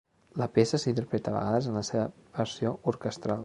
La peça s'interpreta a vegades en la seva versió orquestral.